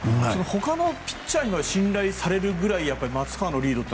他のピッチャーに信頼されるぐらい松川のリードは。